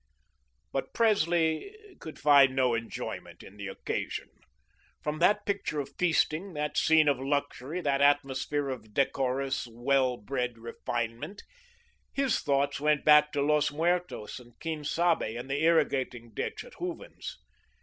But Presley could find no enjoyment in the occasion. From that picture of feasting, that scene of luxury, that atmosphere of decorous, well bred refinement, his thoughts went back to Los Muertos and Quien Sabe and the irrigating ditch at Hooven's.